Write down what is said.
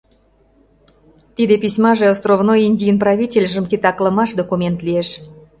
Тиде письмаже островной Индийын правительжым титаклымаш документ лиеш.